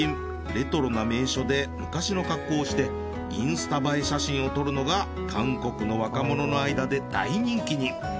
レトロな名所で昔の格好をしてインスタ映え写真を撮るのが韓国の若者の間で大人気に。